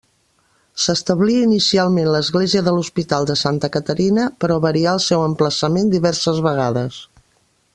S'establí inicialment l'església de l'hospital de Santa Caterina, però varià el seu emplaçament diverses vegades.